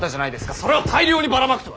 それを大量にばらまくとは。